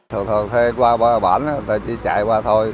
thường thường thuê qua ba bản người ta chỉ chạy qua thôi